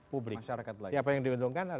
publik siapa yang diuntungkan